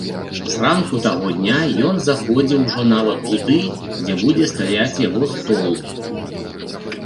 Зранку таго дня ён заходзіў ужо нават туды, дзе будзе стаяць яго стол.